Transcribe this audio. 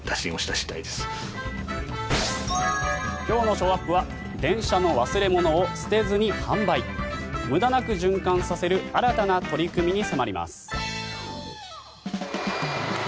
今日のショーアップは電車の忘れ物を捨てずに販売無駄なく循環させる新たな取り組みに迫ります。